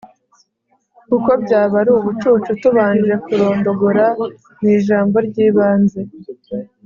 kuko byaba ari ubucucu tubanje kurondogora mu ijambo ry'ibanze